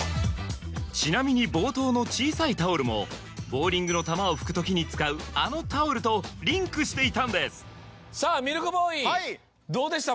ちなみに冒頭の「小さいタオル」もボウリングの球を拭くときに使うあのタオルとリンクしていたんですさぁミルクボーイどうでした？